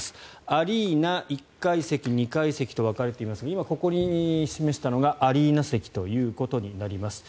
アリーナ、１階席、２階席と分かれていますが今、ここに示したのがアリーナ席となります。